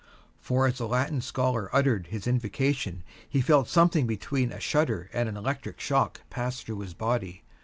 For as the Latin scholar uttered his invocation he felt something between a shudder and an electric shock pass through his body.